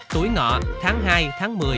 tuổi ngọ tháng hai tháng một mươi